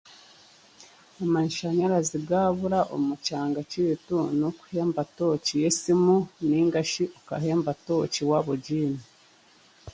Amashanyarazi gaabura omu kyanga kyaitu n'okuhemba tooci y'esimu narishi tukaheemba tooci waaba ogiine